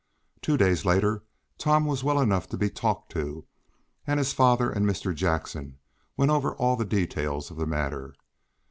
Two days later Tom was well enough to be talked to, and his father and Mr. Jackson went over all the details of the matter.